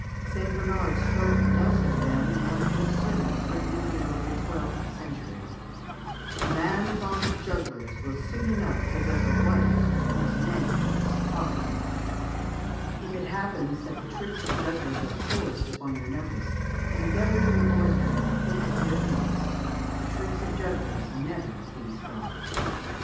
St. Bernard spoke thus of them in one of his sermons written in the middle of the twelfth century: "A man fond of jugglers will soon enough possess a wife whose name is Poverty. If it happens that the tricks of jugglers are forced upon your notice, endeavour to avoid them, and think of other things. The tricks of jugglers never please God." [Illustration: Fig.